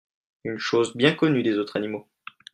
Une chose bien connue des autres animaux.